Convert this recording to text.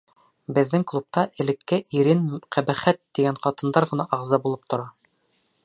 Беҙҙең клубта элекке ирен «ҡәбәхәт» тигән ҡатындар ғына ағза булып тора.